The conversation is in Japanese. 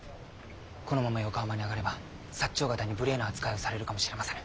このまま横浜に上がれば長方に無礼な扱いをされるかもしれませぬ。